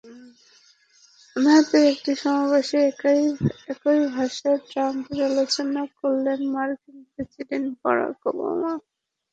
ওহাইওতে একটি সমাবেশে একই ভাষায় ট্রাম্পের সমালোচনা করলেন মার্কিন প্রেসিডেন্ট বারাক ওবামা।